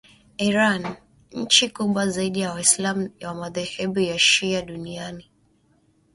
Iran, nchi kubwa zaidi ya waislam wa madhehebu ya shia duniani